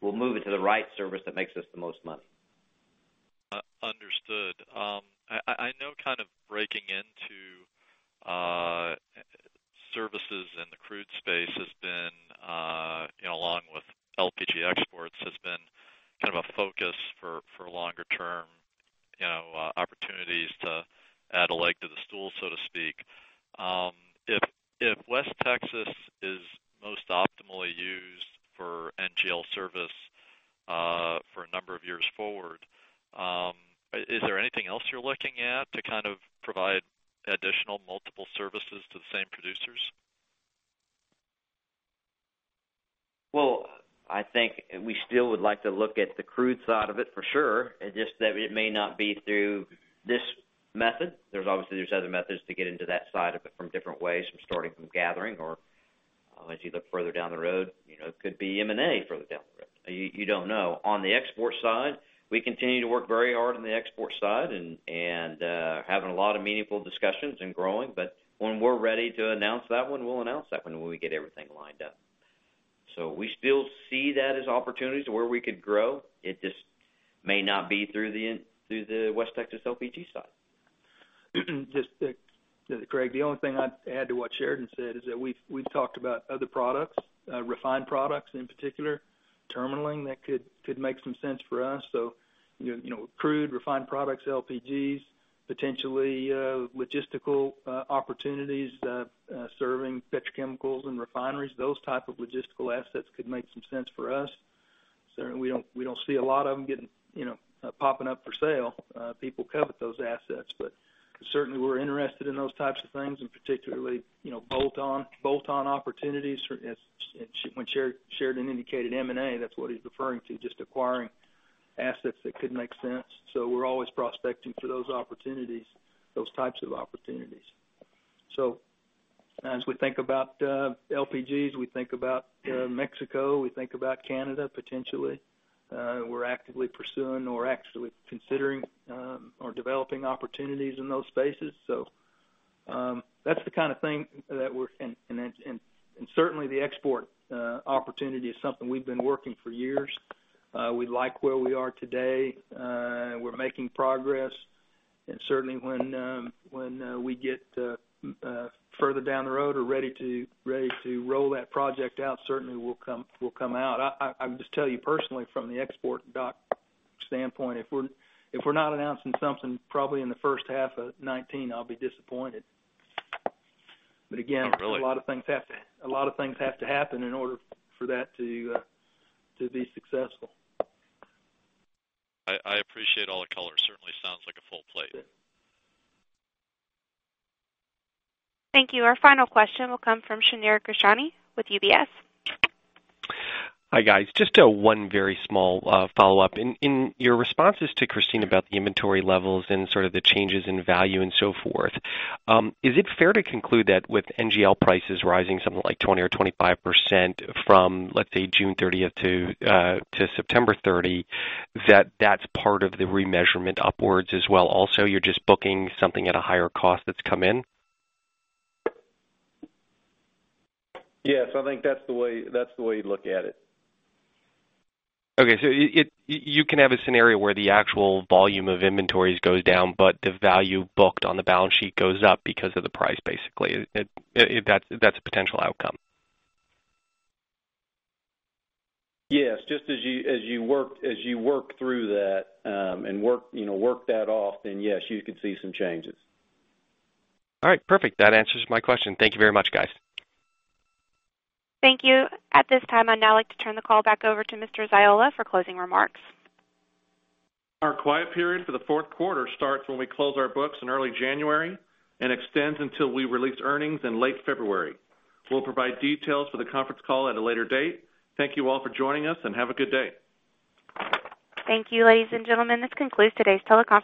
We'll move it to the right service that makes us the most money. Understood. I know kind of breaking into services in the crude space has been, along with LPG exports, has been kind of a focus for longer term opportunities to add a leg to the stool, so to speak. If West Texas is most optimally used for NGL service for a number of years forward, is there anything else you're looking at to kind of provide additional multiple services to the same producers? Well, I think we still would like to look at the crude side of it for sure. It's just that it may not be through this method. There's obviously other methods to get into that side of it from different ways, from starting from gathering or as you look further down the road, it could be M&A further down the road. You don't know. On the export side, we continue to work very hard on the export side and having a lot of meaningful discussions and growing. When we're ready to announce that one, we'll announce that one when we get everything lined up. We still see that as opportunities where we could grow. It just may not be through the West Texas LPG side. Just Craig, the only thing I'd add to what Sheridan said is that we've talked about other products, refined products in particular that could make some sense for us. Crude refined products, LPGs, potentially logistical opportunities serving petrochemicals and refineries, those type of logistical assets could make some sense for us. Certainly, we don't see a lot of them popping up for sale. People covet those assets, certainly we're interested in those types of things, and particularly, bolt-on opportunities. When Sheridan indicated M&A, that's what he's referring to, just acquiring assets that could make sense. We're always prospecting for those types of opportunities. As we think about LPGs, we think about Mexico, we think about Canada, potentially. We're actively pursuing or actually considering or developing opportunities in those spaces. That's the kind of thing that we're. Certainly the export opportunity is something we've been working for years. We like where we are today. We're making progress and certainly when we get further down the road or ready to roll that project out, certainly will come out. I can just tell you personally from the export dock standpoint, if we're not announcing something probably in the first half of 2019, I'll be disappointed. Again. Oh, really? a lot of things have to happen in order for that to be successful. I appreciate all the color. Certainly sounds like a full plate. Sure. Thank you. Our final question will come from Shneur Gershuni with UBS. Hi, guys. Just one very small follow-up. In your responses to Christine about the inventory levels and sort of the changes in value and so forth, is it fair to conclude that with NGL prices rising something like 20% or 25% from, let's say, June 30th to September 30, that that's part of the remeasurement upwards as well? You're just booking something at a higher cost that's come in? Yes, I think that's the way you'd look at it. You can have a scenario where the actual volume of inventories goes down, but the value booked on the balance sheet goes up because of the price, basically. That's a potential outcome. Yes. Just as you work through that, and work that off, yes, you could see some changes. All right, perfect. That answers my question. Thank you very much, guys. Thank you. At this time, I'd now like to turn the call back over to Mr. Ziola for closing remarks. Our quiet period for the fourth quarter starts when we close our books in early January and extends until we release earnings in late February. We'll provide details for the conference call at a later date. Thank you all for joining us, and have a good day. Thank you, ladies and gentlemen. This concludes today's teleconference.